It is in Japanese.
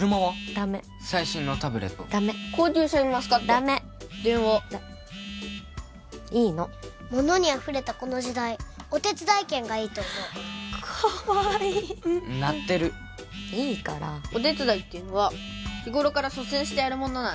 ダメ最新のタブレット高級シャインマスカットダメ電話いいの物にあふれたこの時代お手伝い券がいいと思うかわいいうんうん鳴ってるいいからお手伝いっていうのは日頃から率先してやるものなんだよ